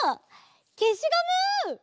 けしゴム！